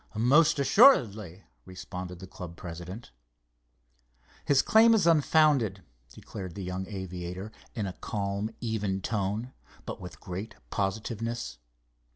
"Most assuredly," responded the club president. "His claim is unfounded," declared the young aviator in a calm, even tone, but with great positiveness.